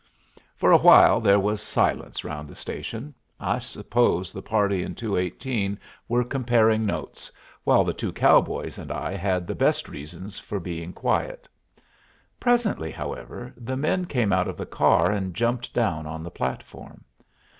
For a while there was silence round the station; I suppose the party in 218 were comparing notes, while the two cowboys and I had the best reasons for being quiet. Presently, however, the men came out of the car and jumped down on the platform.